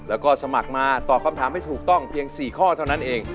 แล้วก็สมัครมาตอบคำถามให้ถูกต้องเพียง๔ข้อเท่านั้นเอง